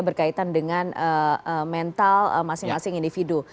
berkaitan dengan mental masing masing individu